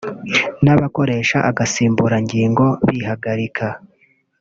n’abakoresha agasimbura-ngingo bihagarika